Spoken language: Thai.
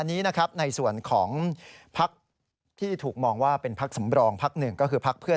กรณีนี้ทางด้านของประธานกรกฎาได้ออกมาพูดแล้ว